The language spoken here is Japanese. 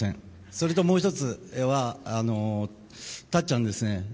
それともう１つはたっちゃんですね。